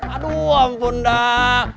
aduh ampun dah